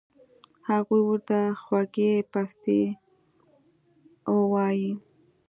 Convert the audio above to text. هغو ورته خوږې پستې اووائي